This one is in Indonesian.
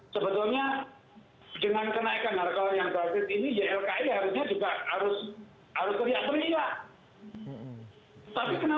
sebetulnya dengan kenaikan harga yang drastis ini ylki harusnya juga harus teriak teriak